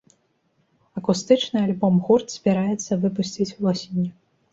Акустычны альбом гурт збірацца выпусціць восенню.